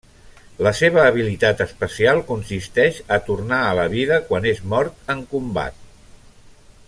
La seva habilitat especial consisteix a tornar a la vida quan és mort en combat.